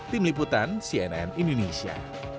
tim liputan cnn indonesia